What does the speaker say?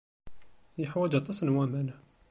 Yeḥwaj aṭas n waman.